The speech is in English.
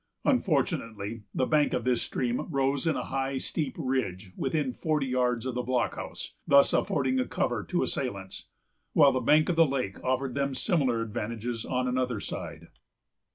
Unfortunately, the bank of this stream rose in a high steep ridge within forty yards of the blockhouse, thus affording a cover to assailants, while the bank of the lake offered them similar advantages on another side.